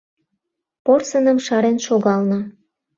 Порсыным шарен шогална.